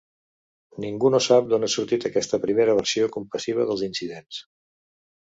Ningú no sap d'on ha sortit aquesta primera versió compassiva dels incidents.